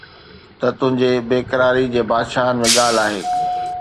ته تنهنجي بيقراري جي بادشاهن ۾ ڳالهه آهي